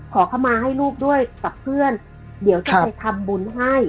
ขอเข้ามาให้ลูกด้วยกับเพื่อนเดี๋ยวจะไปทำบุญให้